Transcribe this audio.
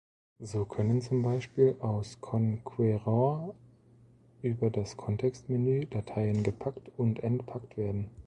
So können zum Beispiel aus Konqueror über das Kontextmenü Dateien gepackt und entpackt werden.